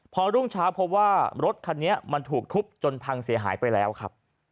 พอรุ่งเช้าพบว่ารถคันนี้มันถูกทุบจนพังเสียหายไปแล้วครับ